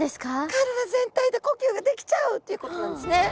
体全体で呼吸ができちゃうということなんですね。